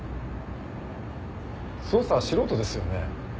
捜査は素人ですよね？